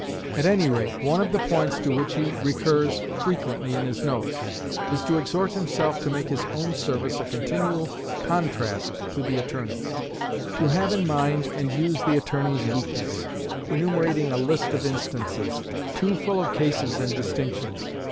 At any rate, one of the points to which he recurs frequently in his notes is to exhort himself to make his own service a continual contrast to the Attorney's "to have in mind and use the Attorney's weakness," enumerating a list of instances: "Too full of cases and distinctions.